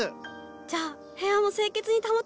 じゃあ部屋も清潔に保てますね。